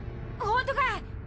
ほんとか！